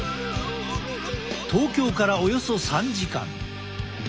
東京からおよそ３時間。